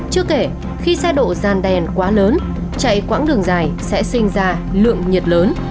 trước kể khi xe độ gian đèn quá lớn chạy quãng đường dài sẽ sinh ra lượng nhiệt lớn